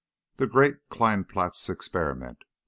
THE GREAT KEINPLATZ EXPERIMENT.